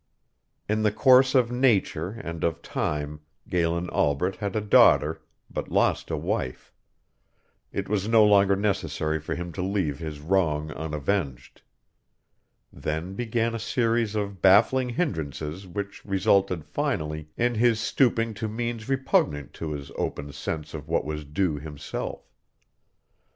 In the course of nature and of time Galen Albret had a daughter, but lost a wife. It was no longer necessary for him to leave his wrong unavenged. Then began a series of baffling hindrances which resulted finally in his stooping to means repugnant to his open sense of what was due himself.